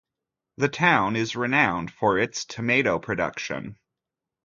The town is renowned for its tomato production.